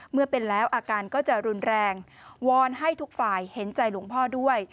เมื่อเป็นแล้วอาการก็จะรุนแรงวอนให้ทุกฝ่ายเห็นใจหลวงพ่อด้วย